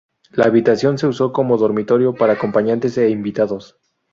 La habitación se usó como dormitorio para acompañantes e invitados.